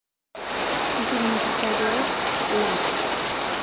Su significado es "blanco".